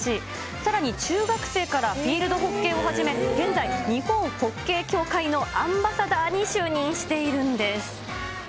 さらに中学生からフィールドホッケーを始め、現在、日本ホッケー協会のアンバサダーに就任しているんです。